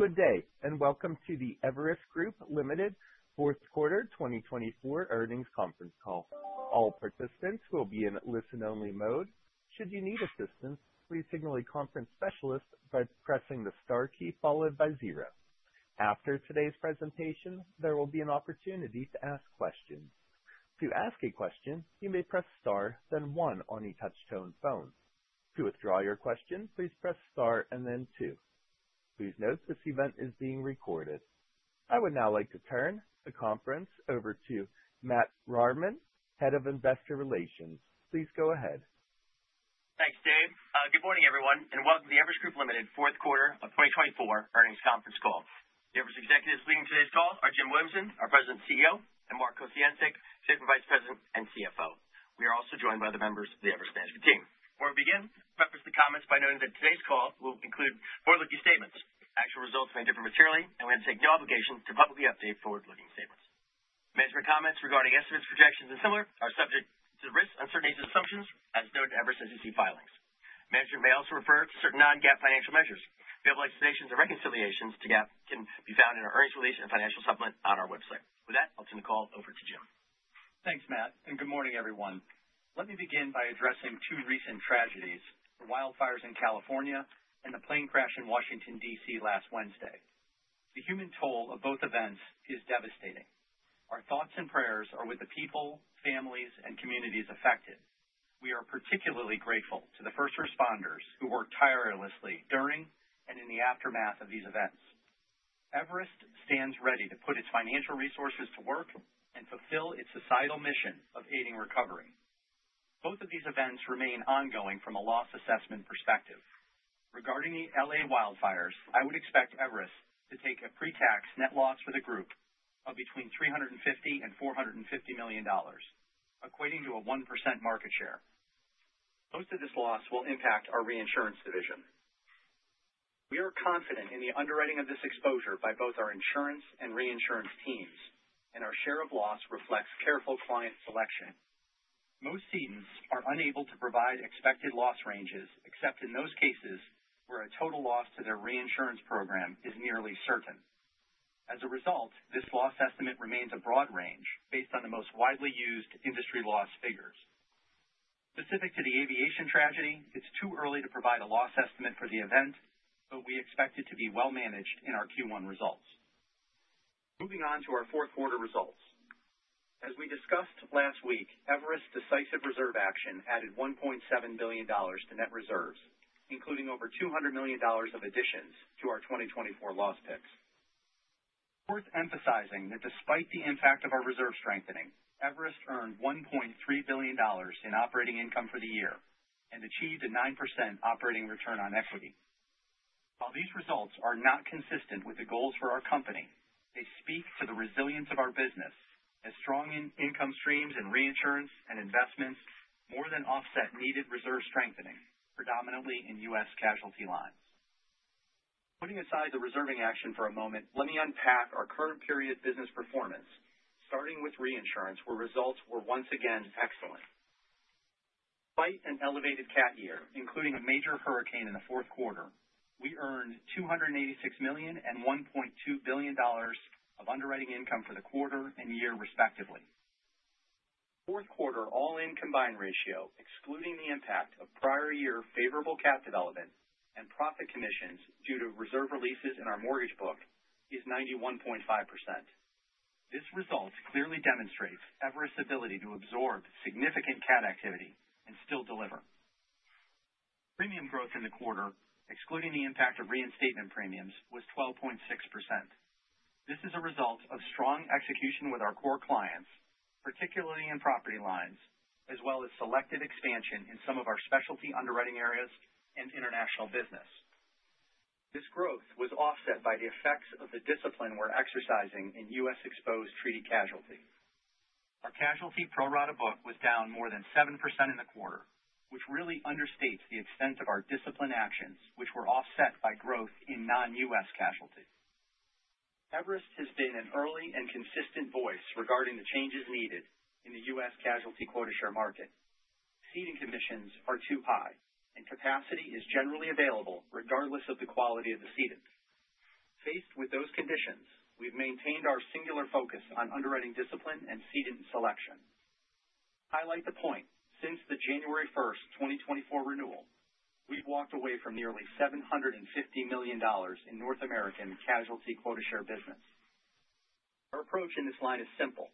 Good day, and welcome to the Everest Group, Ltd. Fourth Quarter 2024 earnings conference call. All participants will be in listen-only mode. Should you need assistance, please signal a conference specialist by pressing the star key followed by zero. After today's presentation, there will be an opportunity to ask questions. To ask a question, you may press star, then one on a touch-tone phone. To withdraw your question, please press star and then two. Please note this event is being recorded. I would now like to turn the conference over to Matthew Rohrmann, Head of Investor Relations. Please go ahead. Thanks, Dave. Good morning, everyone, and welcome to the Everest Group Ltd. fourth quarter 2024 earnings conference call. The Everest executives leading today's call are Jim Williamson, our President and CEO, and Mark Kociancic, our Chief Financial Officer and Executive Vice President. We are also joined by other members of the Everest management team. Before we begin, I'll preface the comments by noting that today's call will include forward-looking statements. Actual results may differ materially, and we undertake no obligation to publicly update forward-looking statements. Management comments regarding estimates, projections, and similar are subject to the risks, uncertainties, and assumptions as noted in Everest's SEC filings. Management may also refer to certain non-GAAP financial measures. Full explanations and reconciliations to GAAP can be found in our earnings release and financial supplement on our website. With that, I'll turn the call over to Jim. Thanks, Matthew, and good morning, everyone. Let me begin by addressing two recent tragedies: the wildfires in California and the plane crash in Washington, D.C., last Wednesday. The human toll of both events is devastating. Our thoughts and prayers are with the people, families, and communities affected. We are particularly grateful to the first responders who worked tirelessly during and in the aftermath of these events. Everest stands ready to put its financial resources to work and fulfill its societal mission of aiding recovery. Both of these events remain ongoing from a loss assessment perspective. Regarding the L.A. wildfires, I would expect Everest to take a pre-tax net loss for the group of between $350 and $450 million, equating to a 1% market share. Most of this loss will impact our reinsurance division. We are confident in the underwriting of this exposure by both our insurance and reinsurance teams, and our share of loss reflects careful client selection. Most cedents are unable to provide expected loss ranges except in those cases where a total loss to their reinsurance program is nearly certain. As a result, this loss estimate remains a broad range based on the most widely used industry loss figures. Specific to the aviation tragedy, it's too early to provide a loss estimate for the event, but we expect it to be well-managed in our Q1 results. Moving on to our fourth quarter results. As we discussed last week, Everest's decisive reserve action added $1.7 billion to net reserves, including over $200 million of additions to our 2024 loss picks. Worth emphasizing that despite the impact of our reserve strengthening, Everest earned $1.3 billion in operating income for the year and achieved a 9% operating return on equity. While these results are not consistent with the goals for our company, they speak to the resilience of our business, as strong income streams and reinsurance and investments more than offset needed reserve strengthening, predominantly in U.S. casualty lines. Putting aside the reserving action for a moment, let me unpack our current period's business performance, starting with reinsurance, where results were once again excellent. Despite an elevated CAT year, including a major hurricane in the fourth quarter, we earned $286 million and $1.2 billion of underwriting income for the quarter and year, respectively. Fourth quarter all-in combined ratio, excluding the impact of prior year favorable CAT development and profit commissions due to reserve releases in our mortgage book, is 91.5%. This result clearly demonstrates Everest's ability to absorb significant CAT activity and still deliver. Premium growth in the quarter, excluding the impact of reinstatement premiums, was 12.6%. This is a result of strong execution with our core clients, particularly in property lines, as well as selective expansion in some of our specialty underwriting areas and international business. This growth was offset by the effects of the discipline we're exercising in U.S.-exposed treaty casualty. Our casualty pro rata book was down more than 7% in the quarter, which really understates the extent of our discipline actions, which were offset by growth in non-U.S. casualty. Everest has been an early and consistent voice regarding the changes needed in the U.S. casualty quota share market. Ceding commissions are too high, and capacity is generally available regardless of the quality of the cedent. Faced with those conditions, we've maintained our singular focus on underwriting discipline and cedent selection. To highlight the point, since the January 1st, 2024, renewal, we've walked away from nearly $750 million in North American casualty quota share business. Our approach in this line is simple.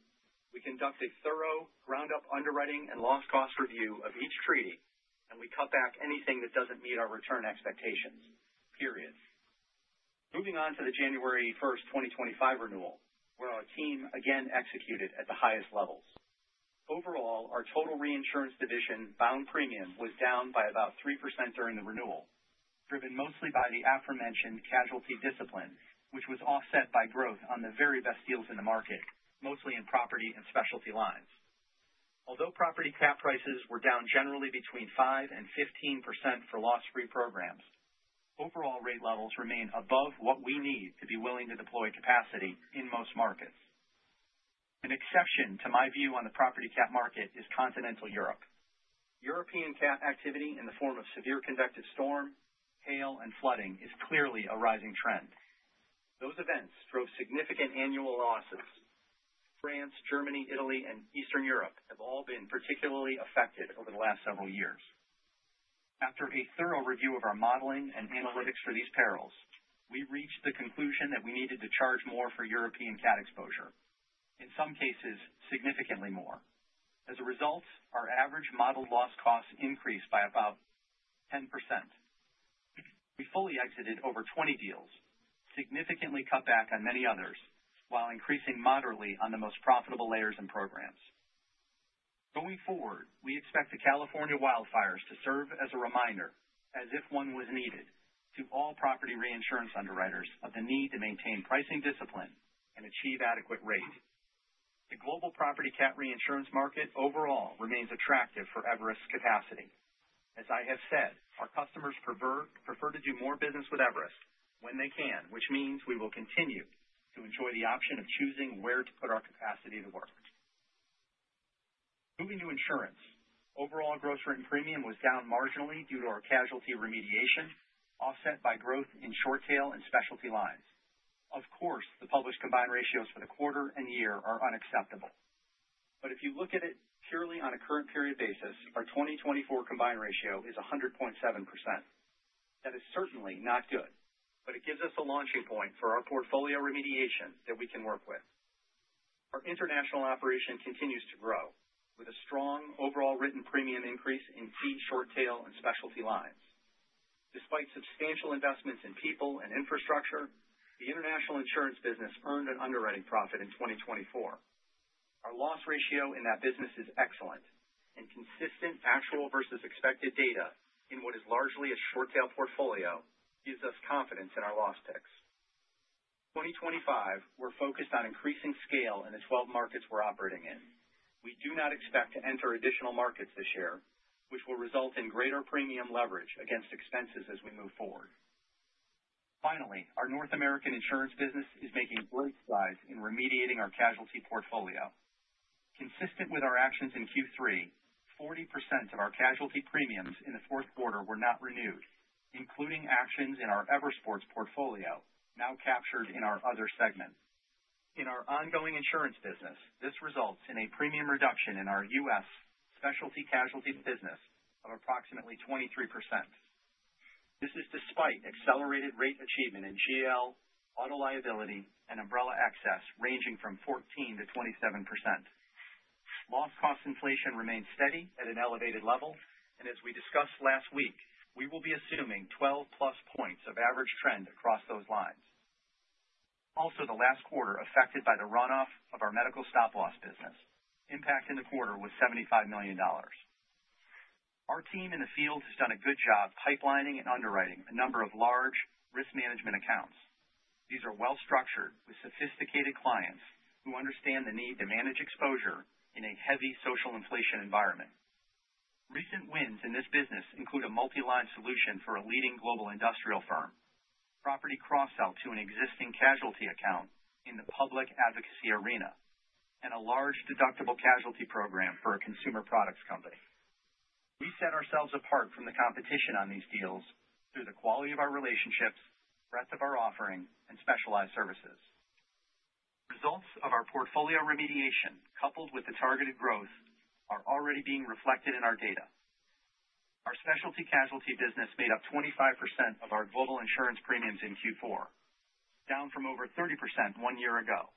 We conduct a thorough ground-up underwriting and loss cost review of each treaty, and we cut back anything that doesn't meet our return expectations. Period. Moving on to the January 1st, 2025, renewal, where our team again executed at the highest levels. Overall, our total reinsurance division bound premium was down by about 3% during the renewal, driven mostly by the aforementioned casualty discipline, which was offset by growth on the very best deals in the market, mostly in property and specialty lines. Although property cat prices were down generally between 5% and 15% for loss-free programs, overall rate levels remain above what we need to be willing to deploy capacity in most markets. An exception to my view on the property cat market is Continental Europe. European cat activity in the form of severe convective storm, hail, and flooding is clearly a rising trend. Those events drove significant annual losses. France, Germany, Italy, and Eastern Europe have all been particularly affected over the last several years. After a thorough review of our modeling and analytics for these perils, we reached the conclusion that we needed to charge more for European CAT exposure, in some cases significantly more. As a result, our average modeled loss costs increased by about 10%. We fully exited over 20 deals, significantly cut back on many others, while increasing moderately on the most profitable layers and programs. Going forward, we expect the California wildfires to serve as a reminder, as if one was needed, to all property reinsurance underwriters of the need to maintain pricing discipline and achieve adequate rate. The global property cat reinsurance market overall remains attractive for Everest's capacity. As I have said, our customers prefer to do more business with Everest when they can, which means we will continue to enjoy the option of choosing where to put our capacity to work. Moving to insurance, overall gross written premium was down marginally due to our casualty remediation, offset by growth in short tail and specialty lines. Of course, the published combined ratios for the quarter and year are unacceptable. But if you look at it purely on a current period basis, our 2024 combined ratio is 100.7%. That is certainly not good, but it gives us a launching point for our portfolio remediation that we can work with. Our international operation continues to grow, with a strong overall written premium increase in P&C, short tail, and specialty lines. Despite substantial investments in people and infrastructure, the international insurance business earned an underwriting profit in 2024. Our loss ratio in that business is excellent, and consistent actual versus expected data in what is largely a short tail portfolio gives us confidence in our loss picks. In 2025, we're focused on increasing scale in the 12 markets we're operating in. We do not expect to enter additional markets this year, which will result in greater premium leverage against expenses as we move forward. Finally, our North American insurance business is making breakthroughs in remediating our casualty portfolio. Consistent with our actions in Q3, 40% of our casualty premiums in the fourth quarter were not renewed, including actions in our Eversports portfolio now captured in our other segment. In our ongoing insurance business, this results in a premium reduction in our U.S. specialty casualty business of approximately 23%. This is despite accelerated rate achievement in GL, auto liability, and umbrella excess ranging from 14%-27%. Loss cost inflation remains steady at an elevated level, and as we discussed last week, we will be assuming 12-plus points of average trend across those lines. Also, the last quarter was affected by the runoff of our medical stop-loss business. Impact in the quarter was $75 million. Our team in the field has done a good job pipelining and underwriting a number of large risk management accounts. These are well-structured, with sophisticated clients who understand the need to manage exposure in a heavy social inflation environment. Recent wins in this business include a multi-line solution for a leading global industrial firm, property cross-sell to an existing casualty account in the public advocacy arena, and a large deductible casualty program for a consumer products company. We set ourselves apart from the competition on these deals through the quality of our relationships, breadth of our offering, and specialized services. Results of our portfolio remediation, coupled with the targeted growth, are already being reflected in our data. Our specialty casualty business made up 25% of our global insurance premiums in Q4, down from over 30% one year ago,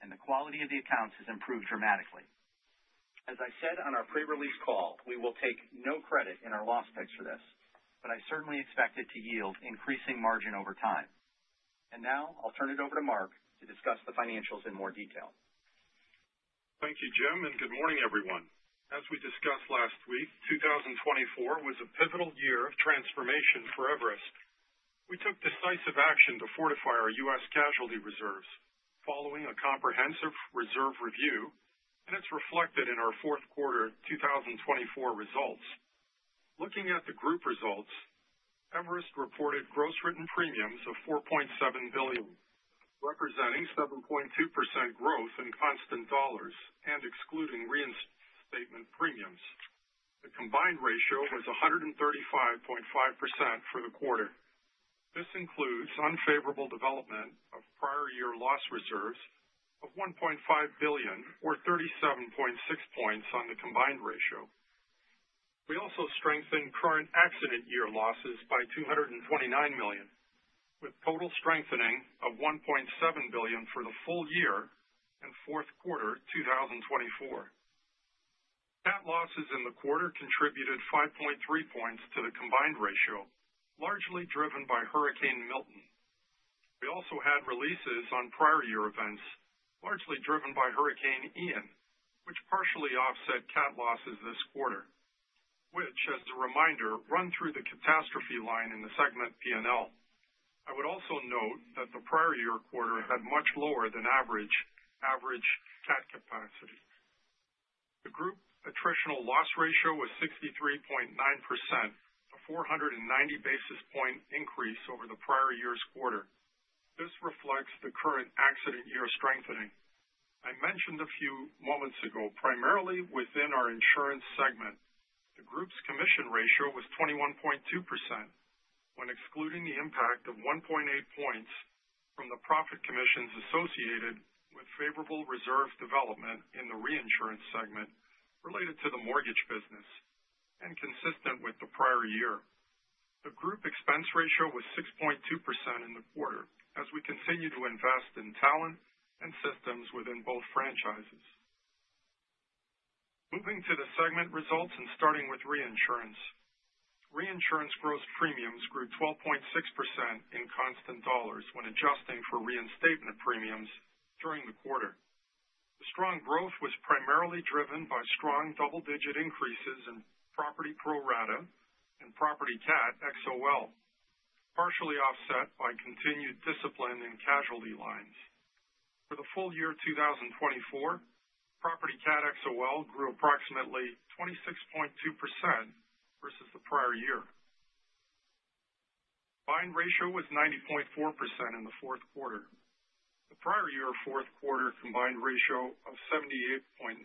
and the quality of the accounts has improved dramatically. As I said on our pre-release call, we will take no credit in our loss picks for this, but I certainly expect it to yield increasing margin over time. And now I'll turn it over to Mark to discuss the financials in more detail. Thank you, Jim, and good morning, everyone. As we discussed last week, 2024 was a pivotal year of transformation for Everest. We took decisive action to fortify our U.S. casualty reserves following a comprehensive reserve review, and it's reflected in our fourth quarter 2024 results. Looking at the group results, Everest reported gross written premiums of $4.7 billion, representing 7.2% growth in constant dollars and excluding reinstatement premiums. The combined ratio was 135.5% for the quarter. This includes unfavorable development of prior year loss reserves of $1.5 billion, or 37.6 points on the combined ratio. We also strengthened current accident year losses by $229 million, with total strengthening of $1.7 billion for the full year and fourth quarter 2024. Cat losses in the quarter contributed 5.3 points to the combined ratio, largely driven by Hurricane Milton. We also had releases on prior year events, largely driven by Hurricane Ian, which partially offset cat losses this quarter, which, as a reminder, run through the catastrophe line in the segment P&L. I would also note that the prior year quarter had much lower than average cat capacity. The group attritional loss ratio was 63.9%, a 490 basis point increase over the prior year's quarter. This reflects the current accident year strengthening I mentioned a few moments ago, primarily within our insurance segment, the group's commission ratio was 21.2% when excluding the impact of 1.8 points from the profit commissions associated with favorable reserve development in the reinsurance segment related to the mortgage business and consistent with the prior year. The group expense ratio was 6.2% in the quarter as we continue to invest in talent and systems within both franchises. Moving to the segment results and starting with reinsurance. Reinsurance gross premiums grew 12.6% in constant dollars when adjusting for reinstatement premiums during the quarter. The strong growth was primarily driven by strong double-digit increases in property pro rata and property CAT XOL, partially offset by continued discipline in casualty lines. For the full year 2024, property CAT XOL grew approximately 26.2% versus the prior year. Combined ratio was 90.4% in the fourth quarter. The prior year fourth quarter combined ratio of 78.9%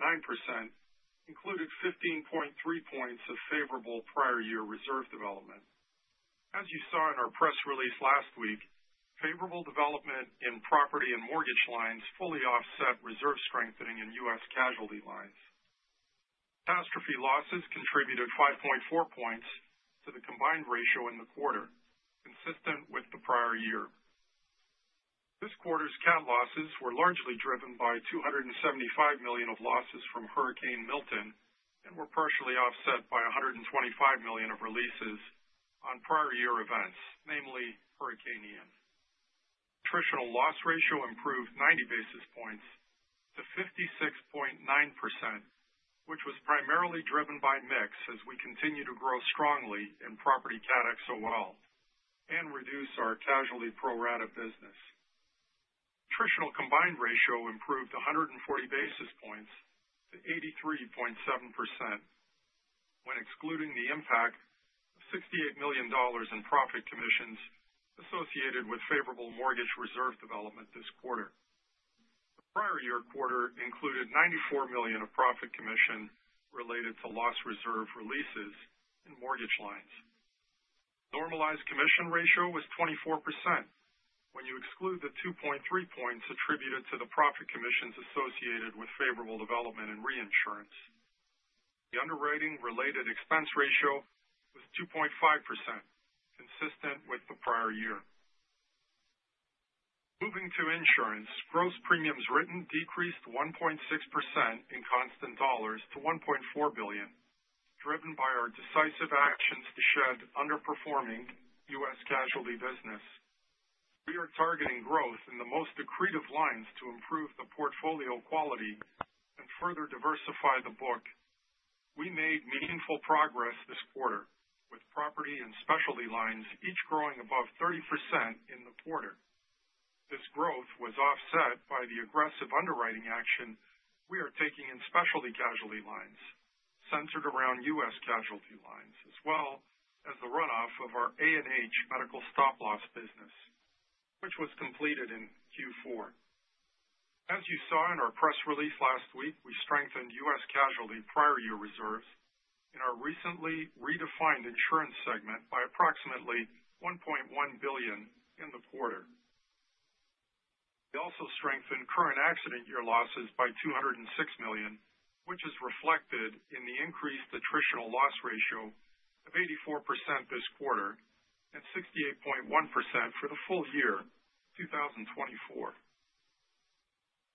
included 15.3 points of favorable prior year reserve development. As you saw in our press release last week, favorable development in property and mortgage lines fully offset reserve strengthening in U.S. casualty lines. Catastrophe losses contributed 5.4 points to the combined ratio in the quarter, consistent with the prior year. This quarter's CAT losses were largely driven by $275 million of losses from Hurricane Milton and were partially offset by $125 million of releases on prior year events, namely Hurricane Ian. Attritional loss ratio improved 90 basis points to 56.9%, which was primarily driven by mix as we continue to grow strongly in property CAT XOL and reduce our casualty pro rata business. Attritional combined ratio improved 140 basis points to 83.7% when excluding the impact of $68 million in profit commissions associated with favorable mortgage reserve development this quarter. The prior year quarter included $94 million of profit commission related to loss reserve releases in mortgage lines. Normalized commission ratio was 24% when you exclude the 2.3 points attributed to the profit commissions associated with favorable development and reinsurance. The underwriting related expense ratio was 2.5%, consistent with the prior year. Moving to insurance, gross premiums written decreased 1.6% in constant dollars to $1.4 billion, driven by our decisive actions to shed underperforming U.S. casualty business. We are targeting growth in the most accretive lines to improve the portfolio quality and further diversify the book. We made meaningful progress this quarter with property and specialty lines each growing above 30% in the quarter. This growth was offset by the aggressive underwriting action we are taking in specialty casualty lines, centered around U.S. casualty lines, as well as the runoff of our A&H medical stop-loss business, which was completed in Q4. As you saw in our press release last week, we strengthened U.S. casualty prior year reserves in our recently redefined insurance segment by approximately $1.1 billion in the quarter. We also strengthened current accident year losses by $206 million, which is reflected in the increased attritional loss ratio of 84% this quarter and 68.1% for the full year 2024.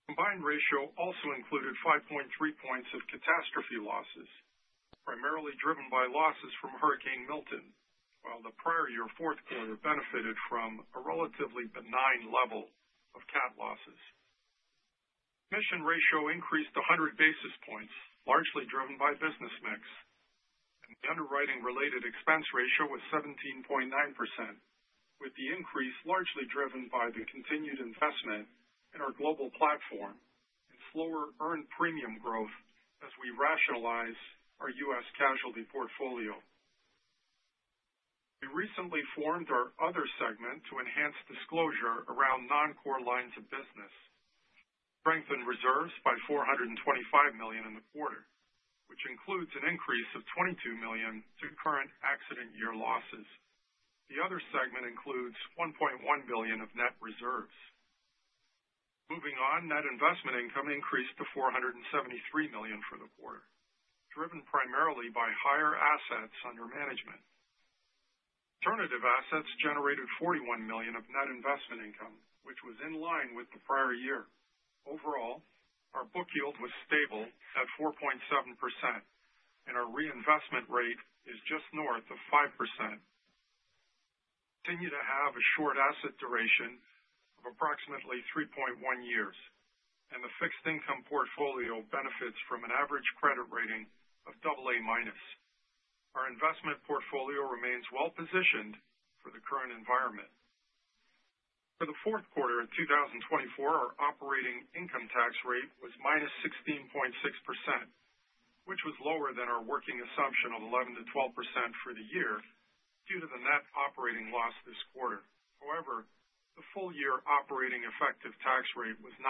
The combined ratio also included 5.3 points of catastrophe losses, primarily driven by losses from Hurricane Milton, while the prior year fourth quarter benefited from a relatively benign level of cat losses. Commission ratio increased 100 basis points, largely driven by business mix, and the underwriting related expense ratio was 17.9%, with the increase largely driven by the continued investment in our global platform and slower earned premium growth as we rationalize our U.S. casualty portfolio. We recently formed our other segment to enhance disclosure around non-core lines of business. We strengthened reserves by $425 million in the quarter, which includes an increase of $22 million to current accident year losses. The other segment includes $1.1 billion of net reserves. Moving on, net investment income increased to $473 million for the quarter, driven primarily by higher assets under management. Alternative assets generated $41 million of net investment income, which was in line with the prior year. Overall, our book yield was stable at 4.7%, and our reinvestment rate is just north of 5%. We continue to have a short asset duration of approximately 3.1 years, and the fixed income portfolio benefits from an average credit rating of AA-. Our investment portfolio remains well-positioned for the current environment. For the fourth quarter of 2024, our operating income tax rate was minus 16.6%, which was lower than our working assumption of 11%-12% for the year due to the net operating loss this quarter. However, the full year operating effective tax rate was 9%,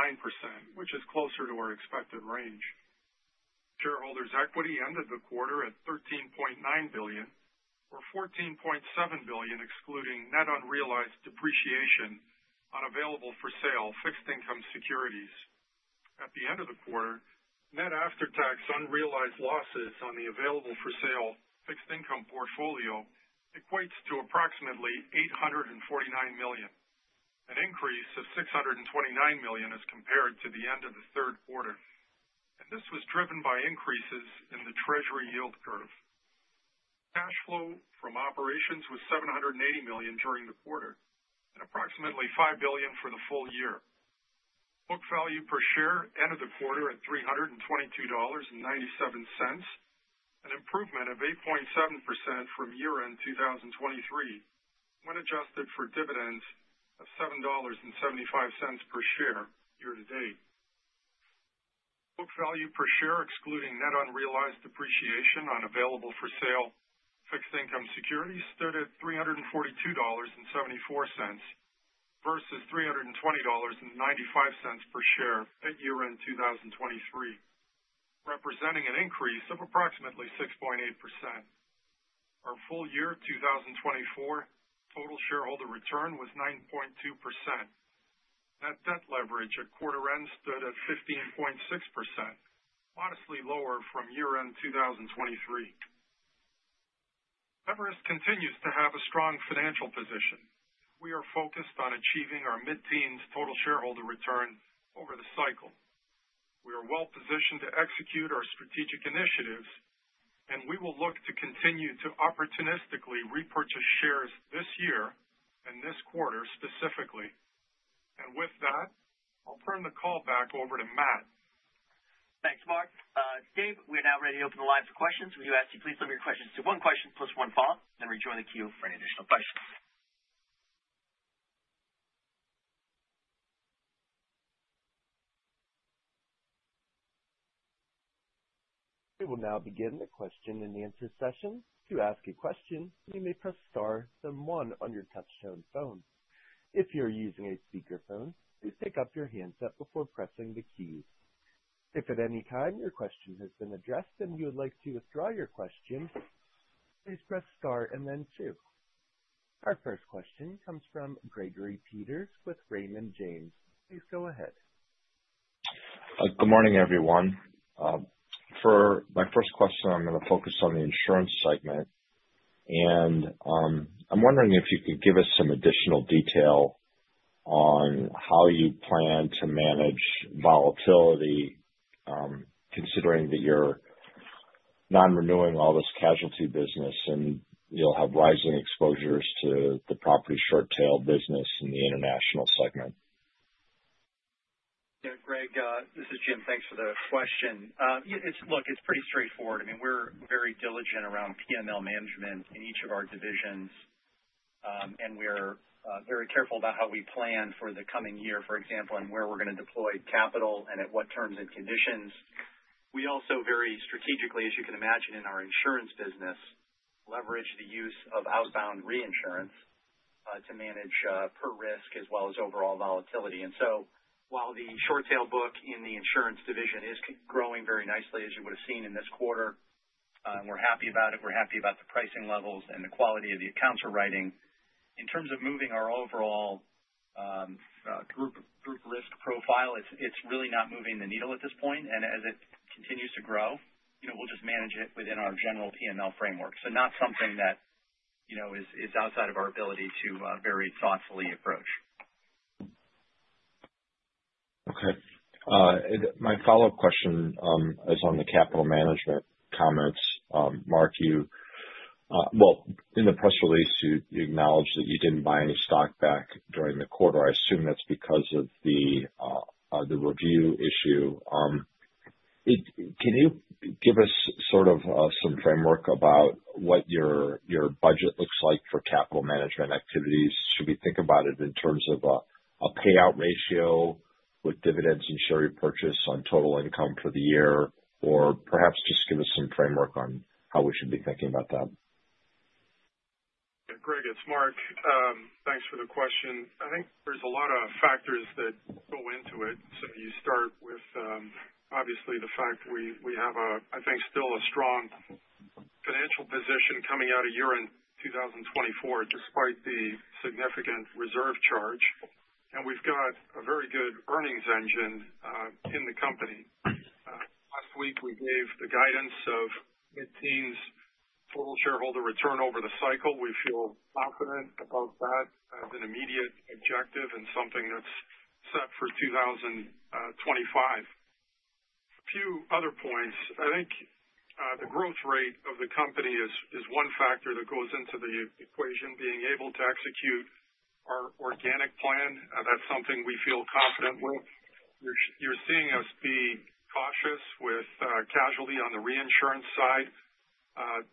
which is closer to our expected range. Shareholders' equity ended the quarter at $13.9 billion, or $14.7 billion excluding net unrealized depreciation on available-for-sale fixed income securities. At the end of the quarter, net after-tax unrealized losses on the available-for-sale fixed income portfolio equates to approximately $849 million, an increase of $629 million as compared to the end of the third quarter, and this was driven by increases in the treasury yield curve. Cash flow from operations was $780 million during the quarter, and approximately $5 billion for the full year. Book value per share ended the quarter at $322.97, an improvement of 8.7% from year-end 2023 when adjusted for dividends of $7.75 per share year-to-date. Book value per share excluding net unrealized depreciation on available-for-sale fixed income securities stood at $342.74 versus $320.95 per share at year-end 2023, representing an increase of approximately 6.8%. Our full year 2024 total shareholder return was 9.2%.Net debt leverage at quarter-end stood at 15.6%, modestly lower from year-end 2023. Everest continues to have a strong financial position. We are focused on achieving our mid-teens total shareholder return over the cycle. We are well-positioned to execute our strategic initiatives, and we will look to continue to opportunistically repurchase shares this year and this quarter specifically, and with that, I'll turn the call back over to Matthew. Thanks, Mark. Dave, we are now ready to open the line for questions. We do ask that you please limit your questions to one question plus one follow-up, then we join the queue for any additional questions. We will now begin the question and answer session. To ask a question, you may press star then one on your touch-tone phone. If you are using a speakerphone, please pick up your handset before pressing the keys. If at any time your question has been addressed and you would like to withdraw your question, please press star and then two. Our first question comes from Gregory Peters with Raymond James. Please go ahead. Good morning, everyone. For my first question, I'm going to focus on the insurance segment, and I'm wondering if you could give us some additional detail on how you plan to manage volatility, considering that you're non-renewing all this casualty business and you'll have rising exposures to the property short-tail business in the international segment. Yeah, Gregory, this is Jim. Thanks for the question. Look, it's pretty straightforward. I mean, we're very diligent around P&L management in each of our divisions, and we're very careful about how we plan for the coming year, for example, and where we're going to deploy capital and at what terms and conditions. We also very strategically, as you can imagine, in our insurance business, leverage the use of outbound reinsurance to manage per risk as well as overall volatility. And so while the short-tail book in the insurance division is growing very nicely, as you would have seen in this quarter, and we're happy about it, we're happy about the pricing levels and the quality of the accounts we're writing, in terms of moving our overall group risk profile, it's really not moving the needle at this point. As it continues to grow, we'll just manage it within our general P&L framework. Not something that is outside of our ability to very thoughtfully approach. Okay. My follow-up question is on the capital management comments. Mark, you, well, in the press release, you acknowledged that you didn't buy any stock back during the quarter. I assume that's because of the review issue. Can you give us sort of some framework about what your budget looks like for capital management activities? Should we think about it in terms of a payout ratio with dividends and share repurchase on total income for the year, or perhaps just give us some framework on how we should be thinking about that? Gregory, it's Mark. Thanks for the question. I think there's a lot of factors that go into it. So you start with, obviously, the fact we have, I think, still a strong financial position coming out of year-end 2024 despite the significant reserve charge. And we've got a very good earnings engine in the company. Last week, we gave the guidance of mid-teens total shareholder return over the cycle. We feel confident about that as an immediate objective and something that's set for 2025. A few other points. I think the growth rate of the company is one factor that goes into the equation, being able to execute our organic plan. That's something we feel confident with. You're seeing us be cautious with casualty on the reinsurance side,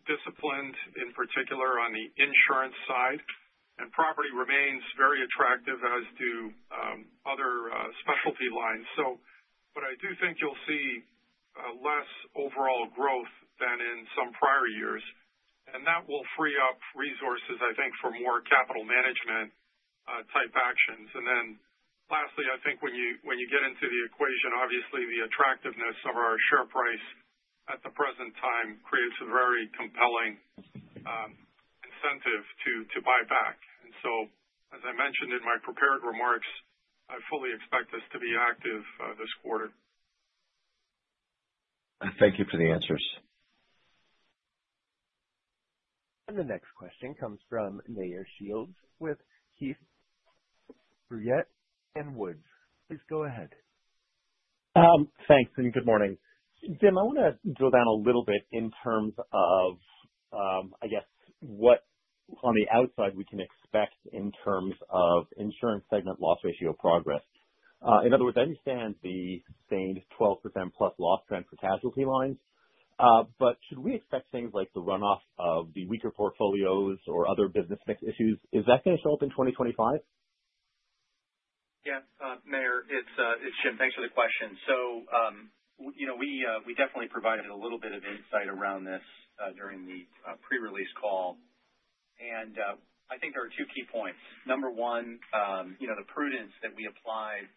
disciplined in particular on the insurance side. And property remains very attractive as do other specialty lines. So what I do think you'll see less overall growth than in some prior years, and that will free up resources, I think, for more capital management-type actions. And then lastly, I think when you get into the equation, obviously, the attractiveness of our share price at the present time creates a very compelling incentive to buy back. And so, as I mentioned in my prepared remarks, I fully expect us to be active this quarter. Thank you for the answers. And the next question comes from Meyer Shields with Keefe, Bruyette & Woods. Please go ahead. Thanks and good morning. Jim, I want to drill down a little bit in terms of, I guess, what on the outside we can expect in terms of insurance segment loss ratio progress. In other words, I understand the sustained 12% plus loss trend for casualty lines, but should we expect things like the runoff of the weaker portfolios or other business mix issues, is that going to show up in 2025? Yes, Meyer, it's Jim. Thanks for the question. So we definitely provided a little bit of insight around this during the pre-release call. And I think there are two key points. Number one, the prudence that we applied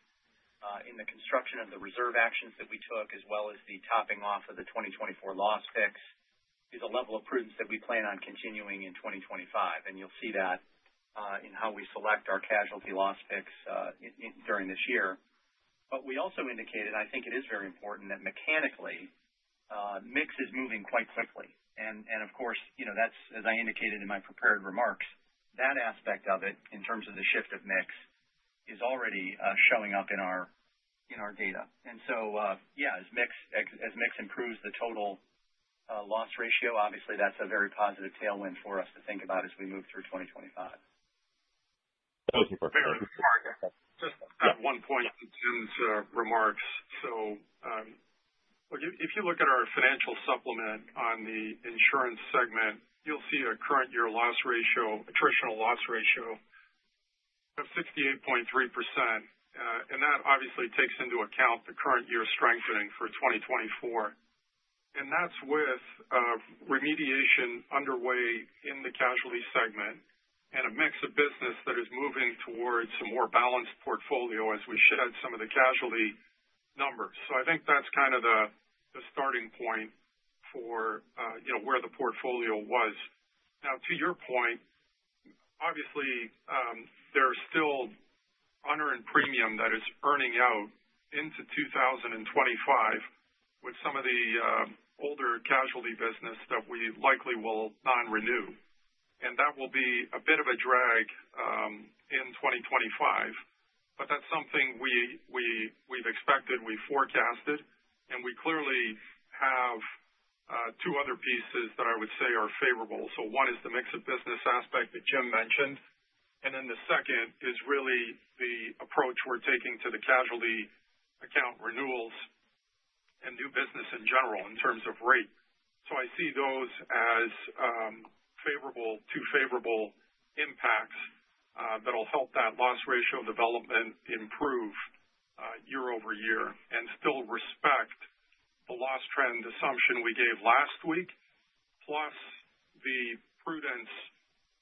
in the construction of the reserve actions that we took, as well as the topping off of the 2024 loss picks, is a level of prudence that we plan on continuing in 2025. And you'll see that in how we select our casualty loss picks during this year. But we also indicated, I think it is very important that mechanically, mix is moving quite quickly. And of course, as I indicated in my prepared remarks, that aspect of it in terms of the shift of mix is already showing up in our data. And so, yeah, as mix improves the total loss ratio, obviously, that's a very positive tailwind for us to think about as we move through 2025. Thank you for clarifying. Just one point to Jim's remarks. So if you look at our financial supplement on the insurance segment, you'll see a current year loss ratio, attritional loss ratio of 68.3%. And that obviously takes into account the current year strengthening for 2024. And that's with remediation underway in the casualty segment and a mix of business that is moving towards a more balanced portfolio as we shed some of the casualty numbers. So I think that's kind of the starting point for where the portfolio was. Now, to your point, obviously, there's still in-force premium that is earning out into 2025 with some of the older casualty business that we likely will non-renew. And that will be a bit of a drag in 2025, but that's something we've expected, we've forecasted, and we clearly have two other pieces that I would say are favorable. So one is the mix of business aspect that Jim mentioned, and then the second is really the approach we're taking to the casualty account renewals and new business in general in terms of rate. So I see those as two favorable impacts that will help that loss ratio development improve year over year and still respect the loss trend assumption we gave last week, plus the prudence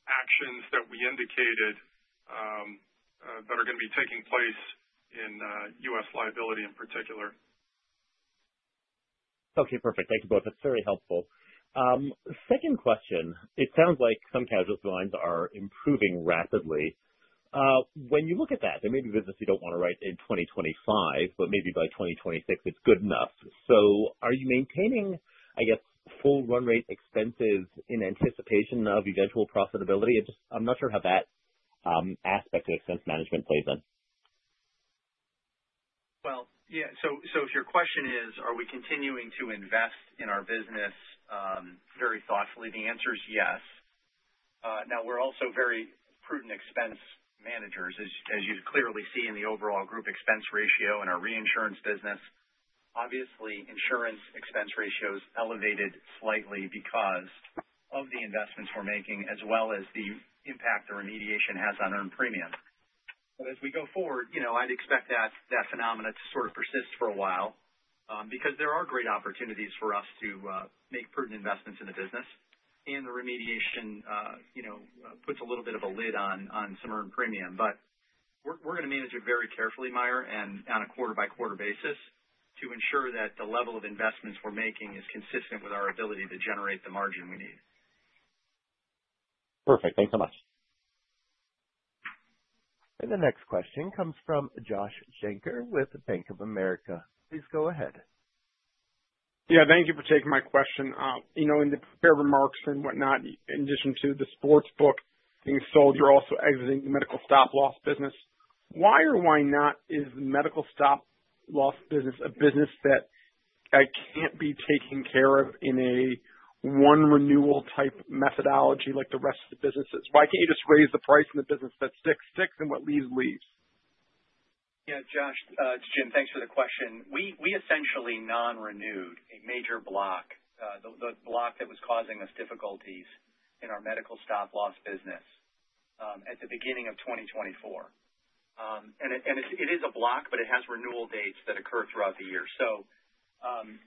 actions that we indicated that are going to be taking place in U.S. liability in particular. Okay, perfect. Thank you both. That's very helpful. Second question, it sounds like some casualty lines are improving rapidly. When you look at that, there may be business you don't want to write in 2025, but maybe by 2026, it's good enough. So are you maintaining, I guess, full run rate expenses in anticipation of eventual profitability? I'm not sure how that aspect of expense management plays in? Well, yeah. So if your question is, are we continuing to invest in our business very thoughtfully, the answer is yes. Now, we're also very prudent expense managers, as you clearly see in the overall group expense ratio in our reinsurance business. Obviously, insurance expense ratio is elevated slightly because of the investments we're making, as well as the impact the remediation has on earned premium. But as we go forward, I'd expect that phenomenon to sort of persist for a while because there are great opportunities for us to make prudent investments in the business, and the remediation puts a little bit of a lid on some earned premium. But we're going to manage it very carefully, Meyer, and on a quarter-by-quarter basis to ensure that the level of investments we're making is consistent with our ability to generate the margin we need. Perfect. Thanks so much. And the next question comes from Joshua Shanker with Bank of America. Please go ahead. Yeah, thank you for taking my question. In the prepared remarks and whatnot, in addition to the sports being sold, you're also exiting the medical stop-loss business. Why or why not is the medical stop-loss business a business that can't be taken care of in a one-renewal type methodology like the rest of the businesses? Why can't you just raise the price in the business that sticks, and what leaves, leaves? Yeah, Joshua, it's Jim. Thanks for the question. We essentially non-renewed a major block, the block that was causing us difficulties in our medical stop-loss business at the beginning of 2024, and it is a block, but it has renewal dates that occur throughout the year, so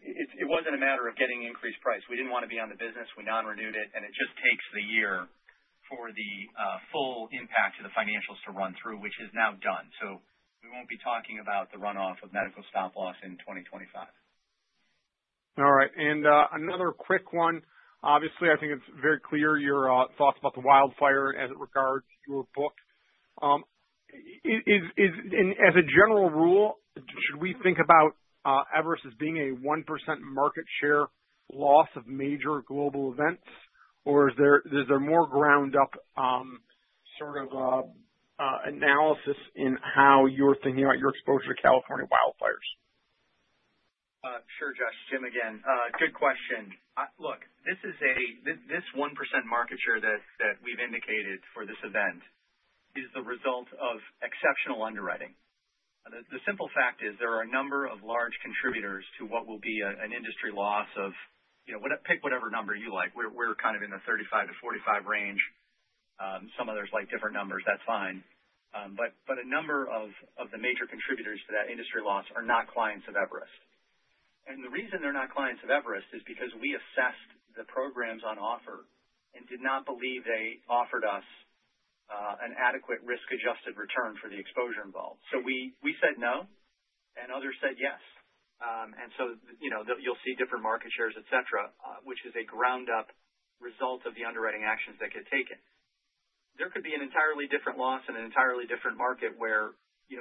it wasn't a matter of getting increased price. We didn't want to be on the business. We non-renewed it, and it just takes the year for the full impact to the financials to run through, which is now done, so we won't be talking about the runoff of medical stop-loss in 2025. All right. And another quick one. Obviously, I think it's very clear your thoughts about the wildfire as it regards your book. As a general rule, should we think about Evers being a 1% market share loss of major global events, or is there more ground-up sort of analysis in how you're thinking about your exposure to California wildfires? Sure, Joshua. Jim again. Good question. Look, this 1% market share that we've indicated for this event is the result of exceptional underwriting. The simple fact is there are a number of large contributors to what will be an industry loss of pick whatever number you like. We're kind of in the 35-45 range. Some others like different numbers. That's fine. But a number of the major contributors to that industry loss are not clients of Everest. And the reason they're not clients of Everest is because we assessed the programs on offer and did not believe they offered us an adequate risk-adjusted return for the exposure involved. So we said no, and others said yes. And so you'll see different market shares, etc., which is a ground-up result of the underwriting actions that get taken. There could be an entirely different loss in an entirely different market where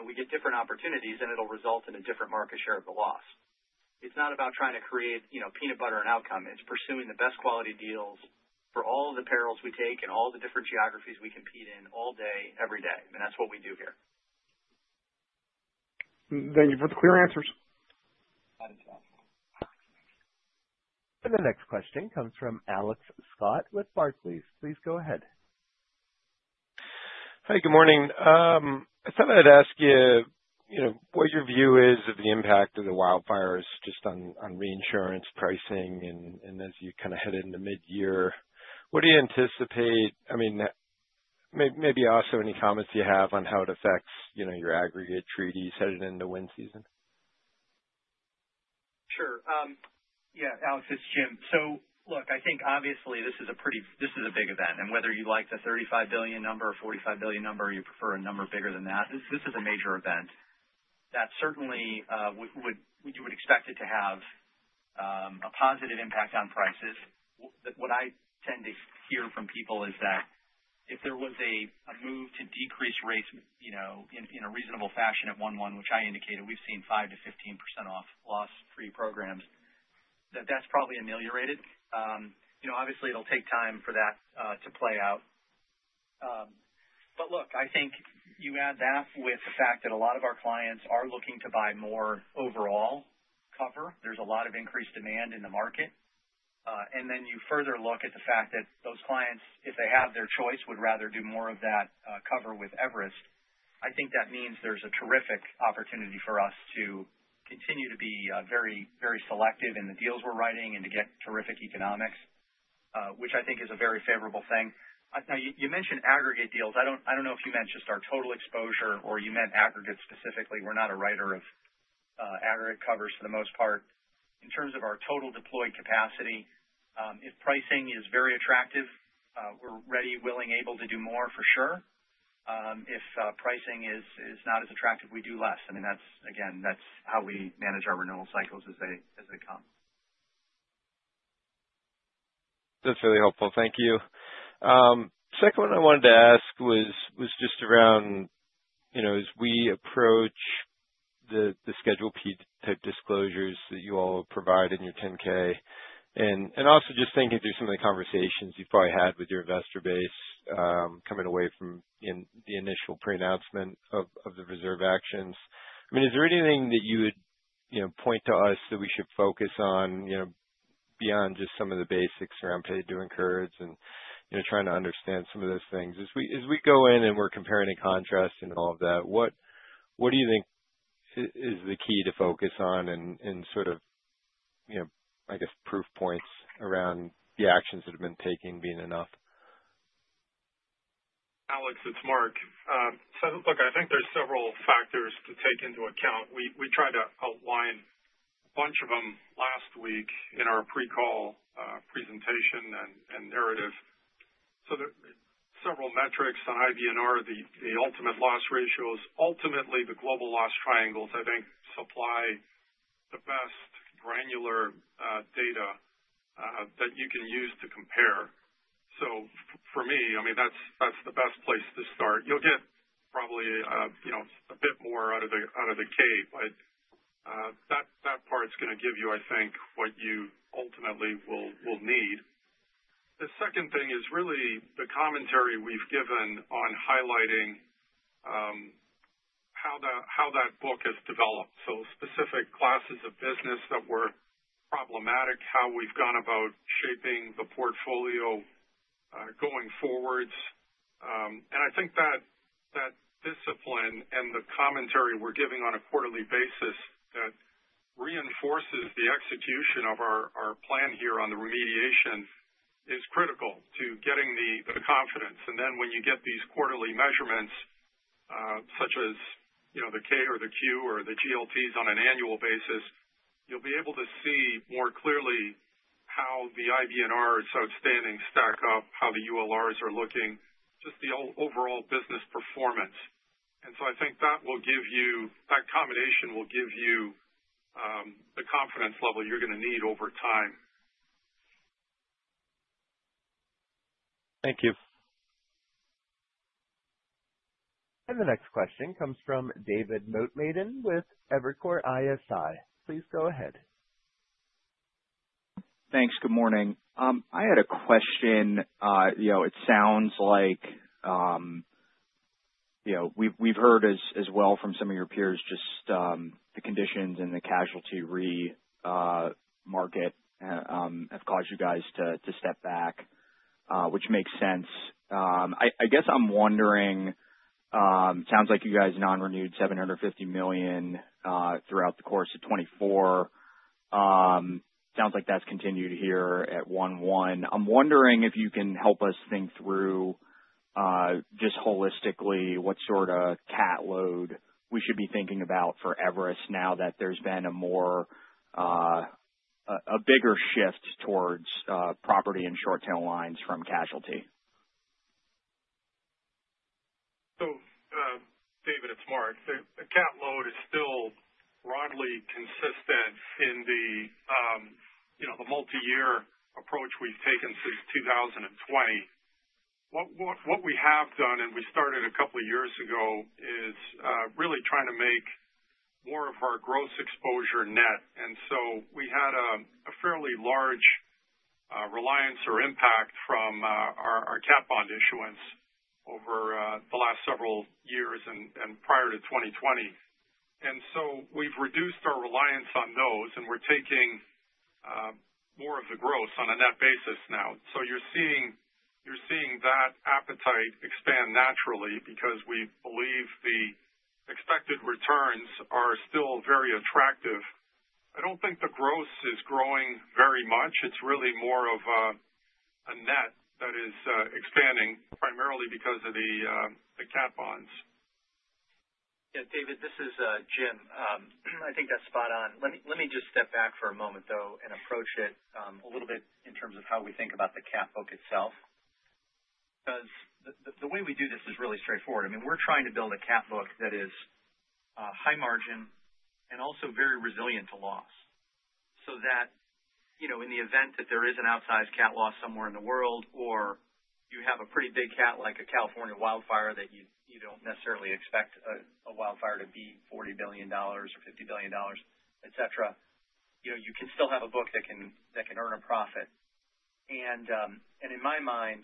we get different opportunities, and it'll result in a different market share of the loss. It's not about trying to create peanut butter and outcome. It's pursuing the best quality deals for all of the perils we take and all the different geographies we compete in all day, every day. And that's what we do here. Thank you for the clear answers. The next question comes from Alex Scott with Barclays. Please go ahead. Hi, good morning. I thought I'd ask you what your view is of the impact of the wildfires just on reinsurance pricing. And as you kind of head into mid-year, what do you anticipate? I mean, maybe also any comments you have on how it affects your aggregate treaties headed into wind season? Sure. Yeah, Alex, it's Jim. So look, I think obviously this is a big event, and whether you like the $35 billion number or $45 billion number or you prefer a number bigger than that, this is a major event. That certainly you would expect it to have a positive impact on prices. What I tend to hear from people is that if there was a move to decrease rates in a reasonable fashion at 1-1, which I indicated, we've seen 5%-15% off loss-free programs, that that's probably ameliorated. Obviously, it'll take time for that to play out, but look, I think you add that with the fact that a lot of our clients are looking to buy more overall cover. There's a lot of increased demand in the market. And then you further look at the fact that those clients, if they have their choice, would rather do more of that cover with Everest. I think that means there's a terrific opportunity for us to continue to be very selective in the deals we're writing and to get terrific economics, which I think is a very favorable thing. Now, you mentioned aggregate deals. I don't know if you meant just our total exposure or you meant aggregate specifically. We're not a writer of aggregate covers for the most part. In terms of our total deployed capacity, if pricing is very attractive, we're ready, willing, able to do more for sure. If pricing is not as attractive, we do less. I mean, again, that's how we manage our renewal cycles as they come. That's really helpful. Thank you. Second one I wanted to ask was just around as we approach the Schedule P type disclosures that you all provide in your 10-K. And also just thinking through some of the conversations you've probably had with your investor base coming away from the initial pre-announcement of the reserve actions. I mean, is there anything that you would point to us that we should focus on beyond just some of the basics around paid-to-incurreds and trying to understand some of those things? As we go in and we're comparing and contrasting all of that, what do you think is the key to focus on and sort of, I guess, proof points around the actions that have been taken being enough? Alex, it's Mark. So look, I think there's several factors to take into account. We tried to outline a bunch of them last week in our pre-call presentation and narrative. So several metrics on IBNR, the ultimate loss ratios. Ultimately, the global loss triangles, I think, supply the best granular data that you can use to compare. So for me, I mean, that's the best place to start. You'll get probably a bit more out of the K, but that part's going to give you, I think, what you ultimately will need. The second thing is really the commentary we've given on highlighting how that book has developed. So specific classes of business that were problematic, how we've gone about shaping the portfolio going forwards. And I think that discipline and the commentary we're giving on a quarterly basis that reinforces the execution of our plan here on the remediation is critical to getting the confidence. And then when you get these quarterly measurements such as the K or the Q or the GLTs on an annual basis, you'll be able to see more clearly how the IBNR outstanding stacks up, how the ULRs are looking, just the overall business performance. And so I think that will give you that combination will give you the confidence level you're going to need over time. Thank you. And the next question comes from David Motemaden with Evercore ISI. Please go ahead. Thanks. Good morning. I had a question. It sounds like we've heard as well from some of your peers just the conditions and the casualty remarket have caused you guys to step back, which makes sense. I guess I'm wondering, it sounds like you guys non-renewed $750 million throughout the course of 2024. Sounds like that's continued here at 1-1. I'm wondering if you can help us think through just holistically what sort of catload we should be thinking about for Everest now that there's been a bigger shift towards property and short-tail lines from casualty. So David, it's Mark. The catastrophe load is still broadly consistent in the multi-year approach we've taken since 2020. What we have done, and we started a couple of years ago, is really trying to make more of our gross exposure net. And so we had a fairly large reliance or impact from our cat bond issuance over the last several years and prior to 2020. And so we've reduced our reliance on those, and we're taking more of the gross on a net basis now. So you're seeing that appetite expand naturally because we believe the expected returns are still very attractive. I don't think the gross is growing very much. It's really more of a net that is expanding primarily because of the cat bonds. Yeah, David, this is Jim. I think that's spot on. Let me just step back for a moment, though, and approach it a little bit in terms of how we think about the cat book itself. Because the way we do this is really straightforward. I mean, we're trying to build a cat book that is high margin and also very resilient to loss so that in the event that there is an outsized cat loss somewhere in the world or you have a pretty big cat like a California wildfire that you don't necessarily expect a wildfire to be $40 billion or $50 billion, etc., you can still have a book that can earn a profit. And in my mind,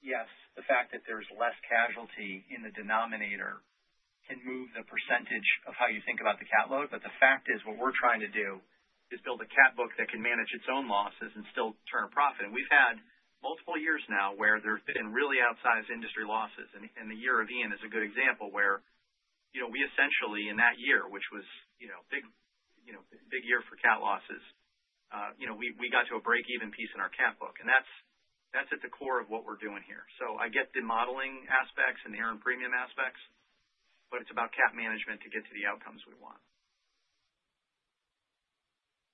yes, the fact that there's less casualty in the denominator can move the percentage of how you think about the cat load. But the fact is what we're trying to do is build a cat book that can manage its own losses and still turn a profit. And we've had multiple years now where there have been really outsized industry losses. And the year of Ian is a good example where we essentially in that year, which was a big year for cat losses, we got to a break-even point in our cat book. And that's at the core of what we're doing here. So I get the modeling aspects and the earned premium aspects, but it's about cat management to get to the outcomes we want.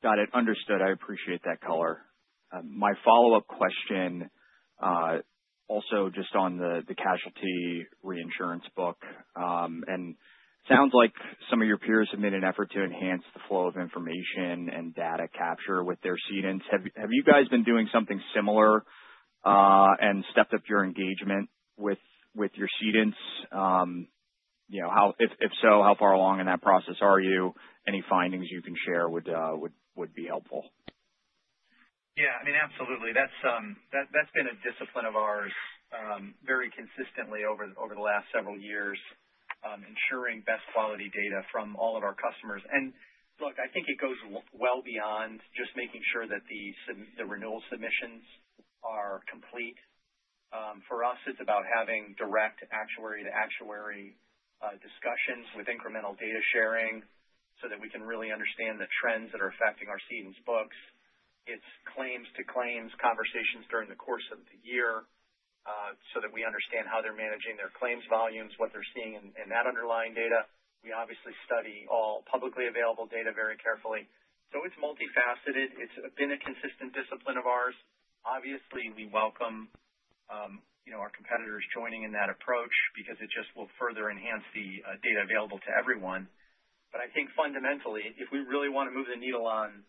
Got it. Understood. I appreciate that color. My follow-up question also just on the casualty reinsurance book, and it sounds like some of your peers have made an effort to enhance the flow of information and data capture with their cedents. Have you guys been doing something similar and stepped up your engagement with your cedents? If so, how far along in that process are you? Any findings you can share would be helpful. Yeah. I mean, absolutely. That's been a discipline of ours very consistently over the last several years, ensuring best quality data from all of our customers. And look, I think it goes well beyond just making sure that the renewal submissions are complete. For us, it's about having direct actuary-to-actuary discussions with incremental data sharing so that we can really understand the trends that are affecting our cedents' books. It's claims-to-claims conversations during the course of the year so that we understand how they're managing their claims volumes, what they're seeing in that underlying data. We obviously study all publicly available data very carefully. So it's multifaceted. It's been a consistent discipline of ours. Obviously, we welcome our competitors joining in that approach because it just will further enhance the data available to everyone. But I think fundamentally, if we really want to move the needle on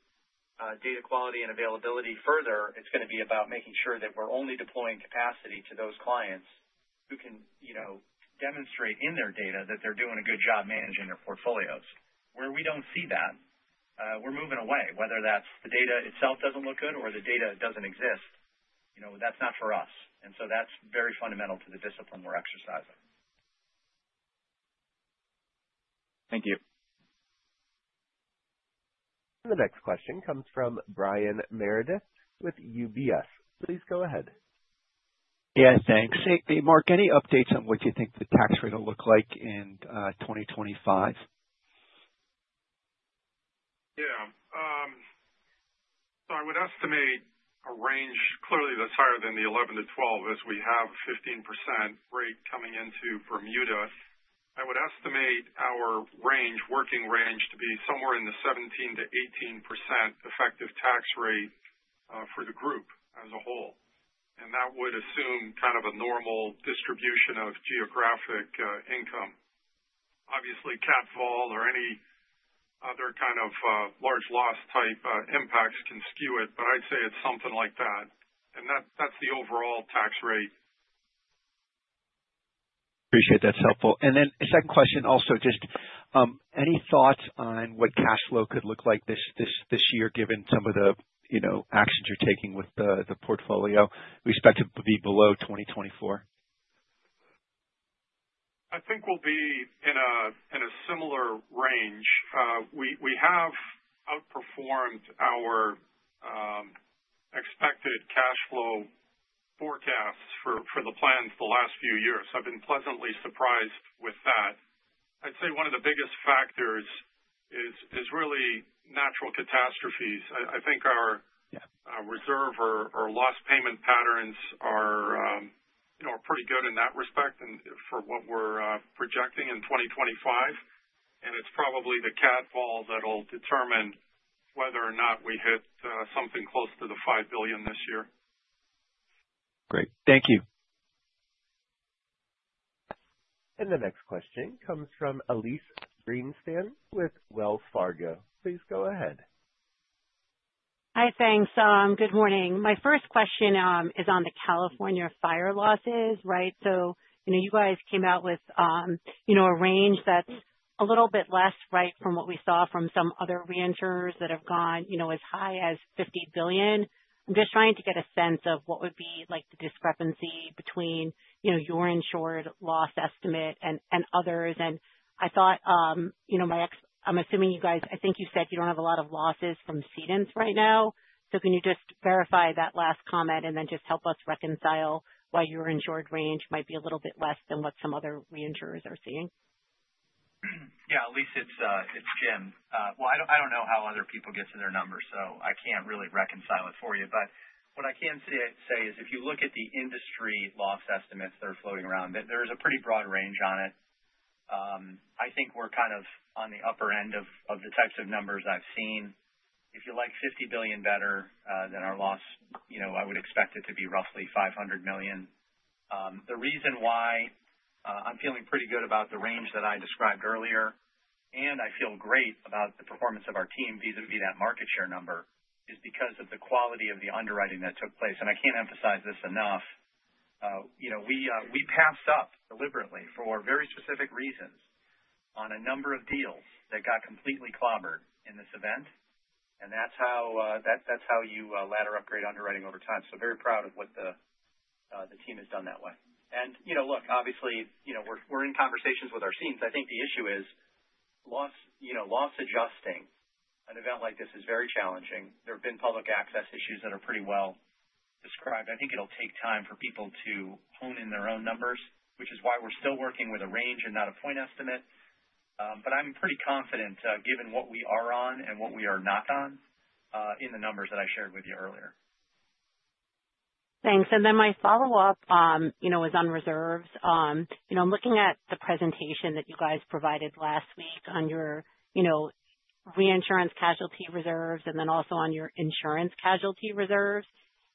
data quality and availability further, it's going to be about making sure that we're only deploying capacity to those clients who can demonstrate in their data that they're doing a good job managing their portfolios. Where we don't see that, we're moving away. Whether that's the data itself doesn't look good or the data doesn't exist, that's not for us. And so that's very fundamental to the discipline we're exercising. Thank you. And the next question comes from Brian Meredith with UBS. Please go ahead. Yes, thanks. Hey, Mark, any updates on what you think the tax rate will look like in 2025? Yeah, so I would estimate a range clearly that's higher than the 11%-12% as we have a 15% rate coming into Bermuda. I would estimate our working range to be somewhere in the 17%-18% effective tax rate for the group as a whole. And that would assume kind of a normal distribution of geographic income. Obviously, cat vol or any other kind of large loss type impacts can skew it, but I'd say it's something like that. And that's the overall tax rate. Appreciate it. That's helpful. And then second question also, just any thoughts on what cash flow could look like this year given some of the actions you're taking with the portfolio expected to be below 2024? I think we'll be in a similar range. We have outperformed our expected cash flow forecasts for the plans the last few years. I've been pleasantly surprised with that. I'd say one of the biggest factors is really natural catastrophes. I think our reserve or loss payment patterns are pretty good in that respect for what we're projecting in 2025. And it's probably the cat load that'll determine whether or not we hit something close to the $5 billion this year. Great. Thank you. And the next question comes from Elyse Greenspan with Wells Fargo. Please go ahead. Hi, thanks. Good morning. My first question is on the California fire losses, right? So you guys came out with a range that's a little bit less, right, from what we saw from some other reinsurers that have gone as high as $50 billion. I'm just trying to get a sense of what would be the discrepancy between your insured loss estimate and others. And I thought, I'm assuming you guys I think you said you don't have a lot of losses from cedents right now. So can you just verify that last comment and then just help us reconcile why your insured range might be a little bit less than what some other reinsurers are seeing? Yeah, Elyse, it's Jim. Well, I don't know how other people get to their numbers, so I can't really reconcile it for you. But what I can say is if you look at the industry loss estimates that are floating around, there's a pretty broad range on it. I think we're kind of on the upper end of the types of numbers I've seen. If you like $50 billion better than our loss, I would expect it to be roughly $500 million. The reason why I'm feeling pretty good about the range that I described earlier, and I feel great about the performance of our team vis-à-vis that market share number, is because of the quality of the underwriting that took place. And I can't emphasize this enough. We passed up deliberately for very specific reasons on a number of deals that got completely clobbered in this event. And that's how you ladder upgrade underwriting over time. So very proud of what the team has done that way. And look, obviously, we're in conversations with our cedents. I think the issue is loss adjusting. An event like this is very challenging. There have been public access issues that are pretty well described. I think it'll take time for people to home in on their own numbers, which is why we're still working with a range and not a point estimate. But I'm pretty confident given what we are on and what we are not on in the numbers that I shared with you earlier. Thanks. And then my follow-up was on reserves. I'm looking at the presentation that you guys provided last week on your reinsurance casualty reserves and then also on your insurance casualty reserves.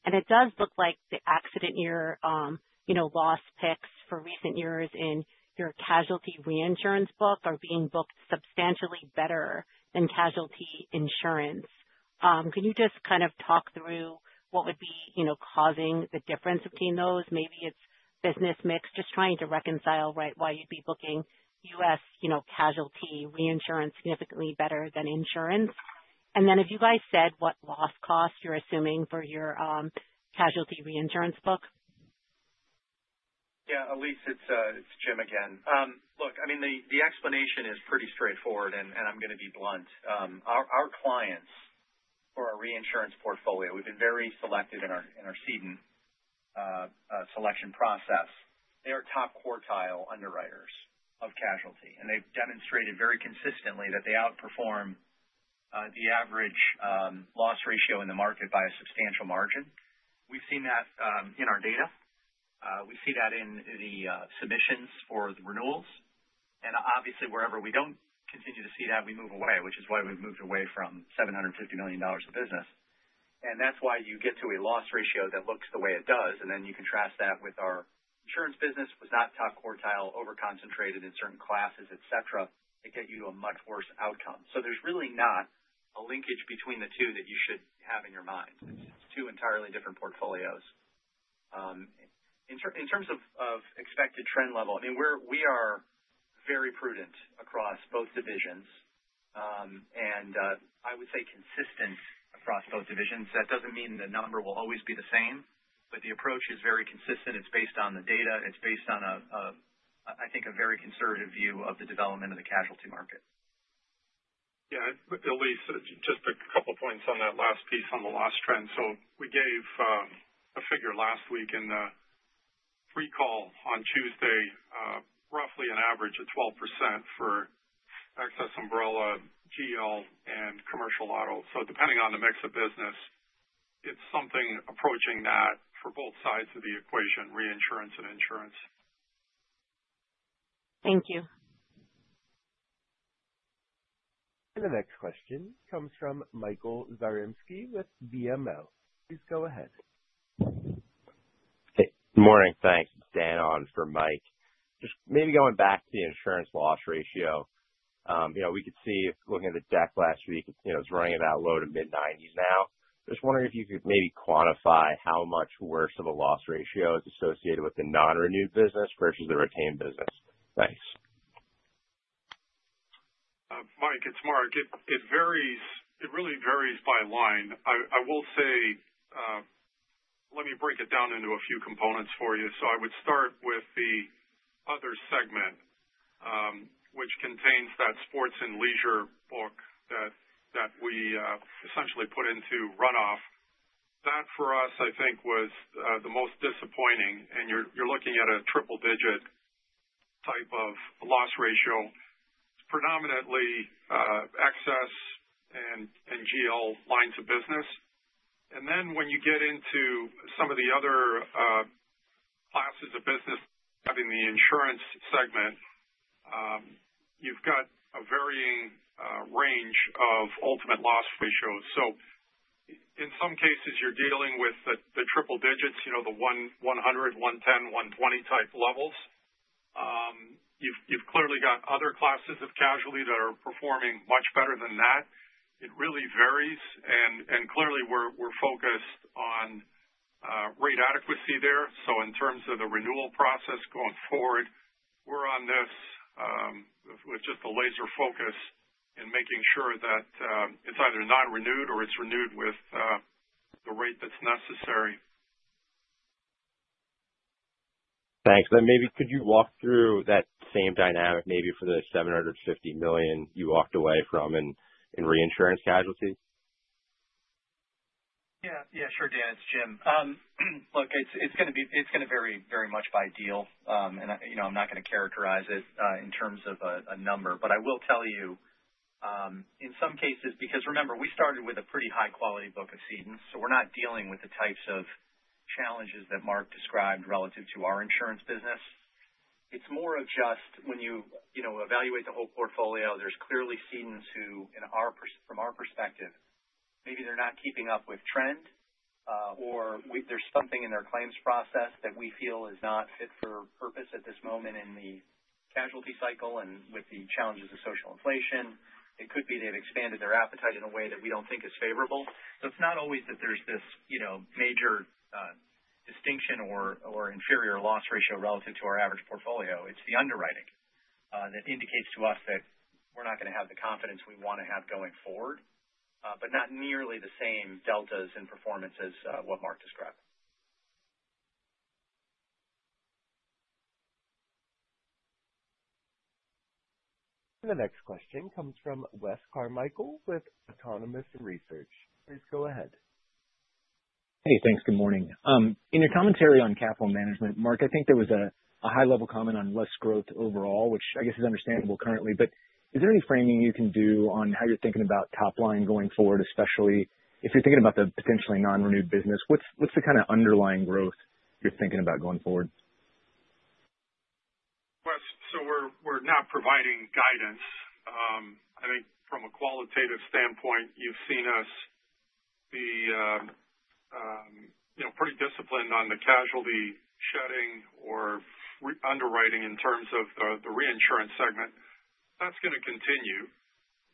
And it does look like the accident year loss picks for recent years in your casualty reinsurance book are being booked substantially better than casualty insurance. Can you just kind of talk through what would be causing the difference between those? Maybe it's business mix, just trying to reconcile why you'd be booking U.S. casualty reinsurance significantly better than insurance. And then have you guys said what loss costs you're assuming for your casualty reinsurance book? Yeah, Elyse, it's Jim again. Look, I mean, the explanation is pretty straightforward, and I'm going to be blunt. Our clients for our reinsurance portfolio, we've been very selective in our ceding selection process. They are top quartile underwriters of casualty. And they've demonstrated very consistently that they outperform the average loss ratio in the market by a substantial margin. We've seen that in our data. We see that in the submissions for the renewals. And obviously, wherever we don't continue to see that, we move away, which is why we've moved away from $750 million of business. And that's why you get to a loss ratio that looks the way it does. And then you contrast that with our insurance business, was not top quartile, overconcentrated in certain classes, etc., that get you to a much worse outcome. So there's really not a linkage between the two that you should have in your mind. It's two entirely different portfolios. In terms of expected trend level, I mean, we are very prudent across both divisions. And I would say consistent across both divisions. That doesn't mean the number will always be the same, but the approach is very consistent. It's based on the data. It's based on, I think, a very conservative view of the development of the casualty market. Yeah. Elyse, just a couple of points on that last piece on the loss trend. So we gave a figure last week in the call on Tuesday, roughly an average of 12% for excess umbrella, GL, and Commercial Auto. So depending on the mix of business, it's something approaching that for both sides of the equation, reinsurance and insurance. Thank you. And the next question comes from Michael Zaremski with BMO. Please go ahead. Hey, good morning. Thanks. Dan on for Michael. Just maybe going back to the insurance loss ratio, we could see looking at the deck last week, it's running about low to mid-90s now. Just wondering if you could maybe quantify how much worse of a loss ratio is associated with the non-renewed business versus the retained business. Thanks. Michael, it's Mark. It really varies by line. I will say, let me break it down into a few components for you. So I would start with the other segment, which contains that sports and leisure book that we essentially put into runoff. That for us, I think, was the most disappointing. And you're looking at a triple-digit type of loss ratio. It's predominantly excess and GL lines of business. And then when you get into some of the other classes of business, having the insurance segment, you've got a varying range of ultimate loss ratios. So in some cases, you're dealing with the triple digits, the 100, 110, 120 type levels. You've clearly got other classes of casualty that are performing much better than that. It really varies. And clearly, we're focused on rate adequacy there. So in terms of the renewal process going forward, we're on this with just a laser focus in making sure that it's either non-renewed or it's renewed with the rate that's necessary. Thanks. Then maybe could you walk through that same dynamic maybe for the $750 million you walked away from in reinsurance casualty? Yeah. Yeah, sure, Michael. It's Jim. Look, it's going to vary very much by deal. And I'm not going to characterize it in terms of a number. But I will tell you, in some cases, because remember, we started with a pretty high-quality book of cedents. So we're not dealing with the types of challenges that Mark described relative to our insurance business. It's more of just when you evaluate the whole portfolio, there's clearly cedents who, from our perspective, maybe they're not keeping up with trend, or there's something in their claims process that we feel is not fit for purpose at this moment in the casualty cycle and with the challenges of social inflation. It could be they've expanded their appetite in a way that we don't think is favorable. So it's not always that there's this major distinction or inferior loss ratio relative to our average portfolio. It's the underwriting that indicates to us that we're not going to have the confidence we want to have going forward, but not nearly the same deltas in performance as what Mark described. And the next question comes from Wes Carmichael with Autonomous Research. Please go ahead. Hey, thanks. Good morning. In your commentary on capital management, Mark, I think there was a high-level comment on less growth overall, which I guess is understandable currently. But is there any framing you can do on how you're thinking about top line going forward, especially if you're thinking about the potentially non-renewed business? What's the kind of underlying growth you're thinking about going forward? So we're not providing guidance. I think from a qualitative standpoint, you've seen us be pretty disciplined on the casualty shedding or underwriting in terms of the reinsurance segment. That's going to continue.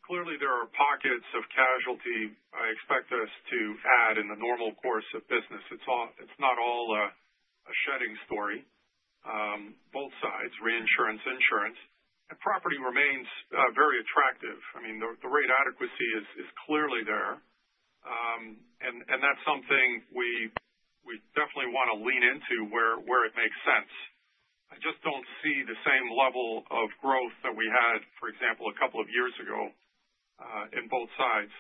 Clearly, there are pockets of casualty I expect us to add in the normal course of business. It's not all a shedding story. Both sides, reinsurance, insurance. Property remains very attractive. I mean, the rate adequacy is clearly there. That's something we definitely want to lean into where it makes sense. I just don't see the same level of growth that we had, for example, a couple of years ago in both sides.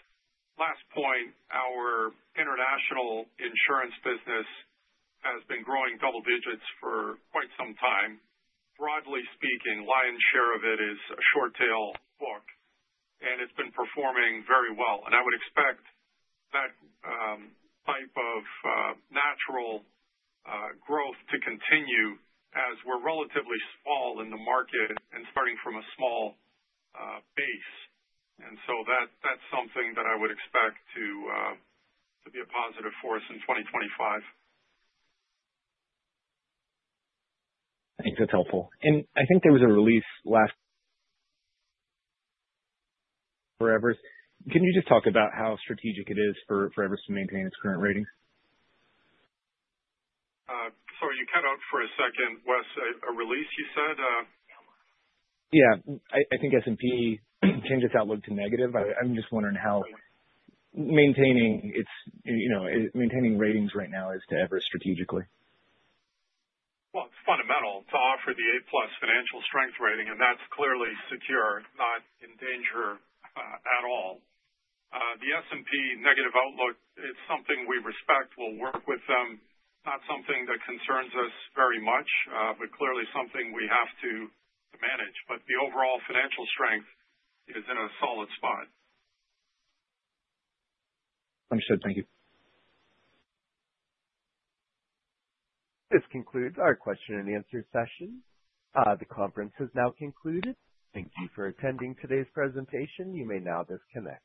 Last point, our international insurance business has been growing double digits for quite some time. Broadly speaking, lion's share of it is a short-tail book. It's been performing very well. I would expect that type of natural growth to continue as we're relatively small in the market and starting from a small base. So that's something that I would expect to be a positive for us in 2025. Thanks. That's helpful, and I think there was a release last for Everest. Can you just talk about how strategic it is for Everest to maintain its current ratings? Sorry, you cut out for a second. Wes, a release, you said? Yeah. I think S&P changed its outlook to negative. I'm just wondering how maintaining ratings right now is to Everest strategically? It's fundamental to offer the A-plus financial strength rating. That's clearly secure, not in danger at all. The S&P negative outlook, it's something we respect. We'll work with them. Not something that concerns us very much, but clearly something we have to manage. The overall financial strength is in a solid spot. Understood. Thank you. This concludes our question and answer session. The conference has now concluded. Thank you for attending today's presentation. You may now disconnect.